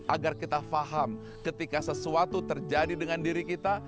agar kita paham ketika sesuatu terjadi dengan diri kita